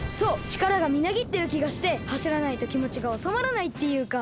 ちからがみなぎってるきがしてはしらないときもちがおさまらないっていうか。